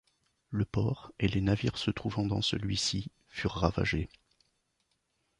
Le port et les navires se trouvant dans celui-ci furent ravagés.